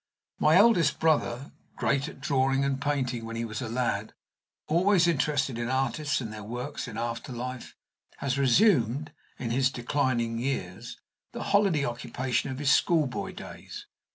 My eldest brother great at drawing and painting when he was a lad, always interested in artists and their works in after life has resumed, in his declining years, the holiday occupation of his schoolboy days.